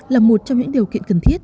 là một trong những điều kiện cần thiết